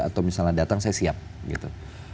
atau misalnya datang saya siap gitu